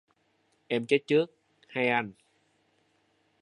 Em chết trước hay anh.